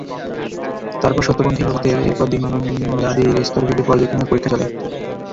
তারপর সত্যপন্থী লোকদের, এরপর দীনদাদীর স্তর ভেদে পর্যায়ক্রমে এ পরীক্ষা চলে।